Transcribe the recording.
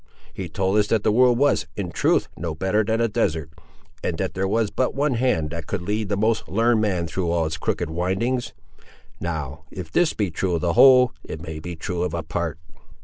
He told us that the world was, in truth, no better than a desert, and that there was but one hand that could lead the most learned man through all its crooked windings. Now, if this be true of the whole, it may be true of a part."